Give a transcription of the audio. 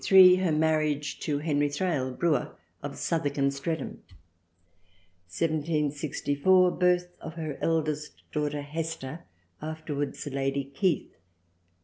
Her marriage to Henry Thrale brewer of Southwark and Streatham. 1764. Birth of her eldest daughter Hester afterwards Lady Keith.